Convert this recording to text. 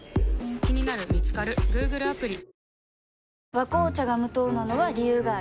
「和紅茶」が無糖なのは、理由があるんよ。